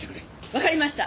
わかりました。